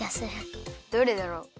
どれだろう。